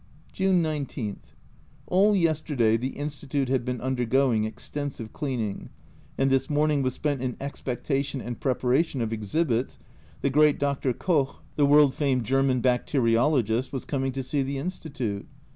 June 19. All yesterday the Institute had been undergoing extensive cleaning, and this morning was spent in expectation and preparation of exhibits the great Dr. Koch, the world famed German bacteriologist, was coming to see the Institute.